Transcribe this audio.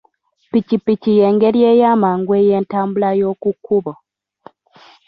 Ppikipiki y'engeri eyamangu ey'entambula y'oku kkubo.